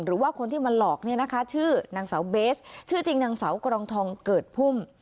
หรือว่าคนที่มาหลอกเนี่ยนะคะชื่อนางสาวเบสชื่อจริงนางสาวกรองทองเกิดพุ่ม